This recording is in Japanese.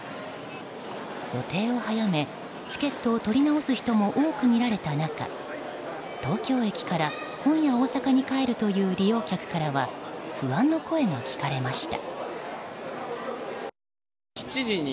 予定を早め、チケットを取り直す人も多く見られた中東京駅から今夜大阪に帰るという利用客からは不安の声が聞かれました。